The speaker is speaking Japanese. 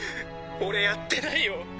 「俺やってないよ！」